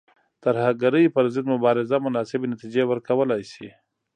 ترهګرۍ پر ضد مبارزه مناسبې نتیجې ورکولای شي.